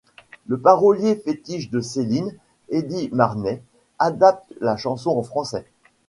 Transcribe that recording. Le parolier fétiche de Céline, Eddy Marnay, adapte la chanson en français.